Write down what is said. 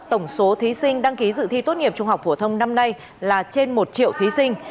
tổng số thí sinh đăng ký dự thi tốt nghiệp trung học phổ thông năm nay là trên một triệu thí sinh